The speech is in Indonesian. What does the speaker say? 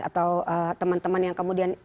atau teman teman yang kemudian